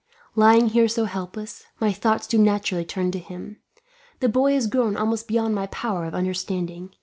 Lying here so helpless, my thoughts do naturally turn to him. The boy has grown almost beyond my power of understanding.